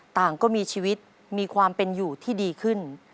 ต่างก็มีชีวิตมีความเป็นอยู่ที่ดีขึ้น